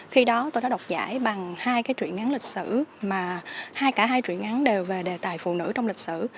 khi đó tôi đã đọc giải bằng hai cái chuyện ngắn lịch sử mà hai cả hai chuyện ngắn đều về đề tài phụ nữ trong lịch sử